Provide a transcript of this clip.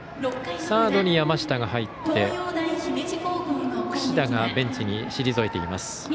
サードに山下が入って櫛田がベンチに退いています。